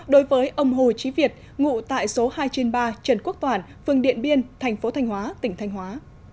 đối với ông hồ chí việt ngụ tại số hai trên ba trần quốc toản phương điện biên thành phố thanh hóa tỉnh thanh hóa